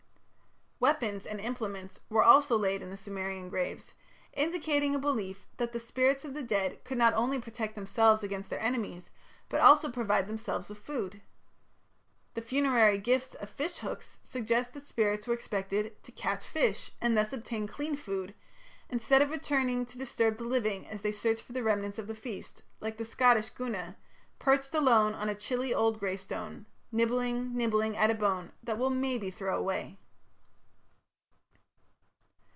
Weapons and implements were also laid in the Sumerian graves, indicating a belief that the spirits of the dead could not only protect themselves against their enemies but also provide themselves with food. The funerary gifts of fish hooks suggests that spirits were expected to catch fish and thus obtain clean food, instead of returning to disturb the living as they searched for the remnants of the feast, like the Scottish Gunna, perched alone On a chilly old grey stone, Nibbling, nibbling at a bone That we'll maybe throw away.